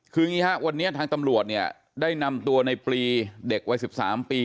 คืออย่างนี้ฮะวันนี้ทางตำรวจเนี่ยได้นำตัวในปลีเด็กวัย๑๓ปี